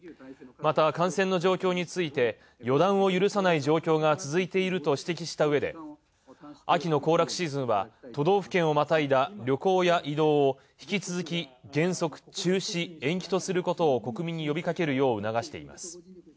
また感染の状況について「予断を許さない状況が続いている」と指摘したうえで秋の行楽シーズンは都道府県をまたいだ旅行や移動を引き続き原則中止、延期とすることを国民に呼びかけるよう促しています。